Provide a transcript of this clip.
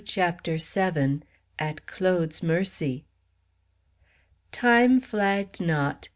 CHAPTER VIII. AT CLAUDE'S MERCY. Time flagged not.